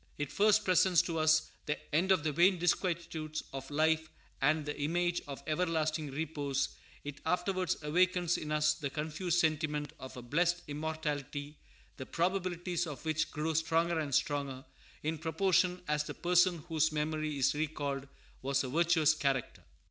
It first presents to us the end of the vain disquietudes of life and the image of everlasting repose; it afterwards awakens in us the confused sentiment of a blessed immortality, the probabilities of which grow stronger and stronger in proportion as the person whose memory is recalled was a virtuous character.